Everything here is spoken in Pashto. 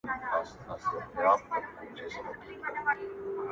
و مې ویل، ګوره زه درسره جدي غږېږم